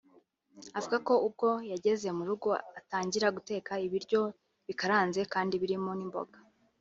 avuga ko kuva ubwo yageze mu rugo atangira guteka ibiryo bikaranze kandi birimo n’imboga